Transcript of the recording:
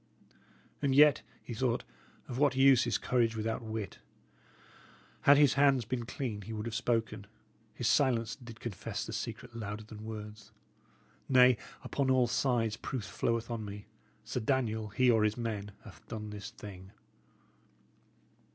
"And yet," he thought, "of what use is courage without wit? Had his hands been clean, he would have spoken; his silence did confess the secret louder than words. Nay, upon all sides, proof floweth on me. Sir Daniel, he or his men, hath done this thing."